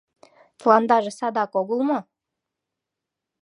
— Тыландаже садак огыл мо?